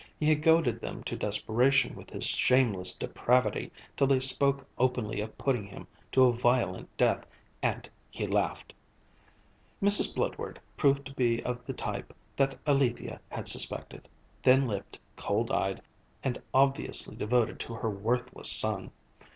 He had goaded them to desperation with his shameless depravity till they spoke openly of putting him to a violent death, and he laughed. Mrs. Bludward proved to be of the type that Alethia had suspected, thin lipped, cold eyed, and obviously devoted to her worthless son.